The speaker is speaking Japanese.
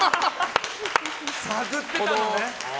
探ってたのね。